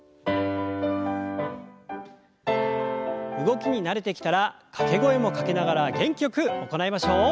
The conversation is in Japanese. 動きに慣れてきたら掛け声もかけながら元気よく行いましょう。